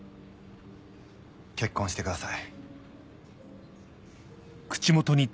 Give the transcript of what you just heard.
結婚してください。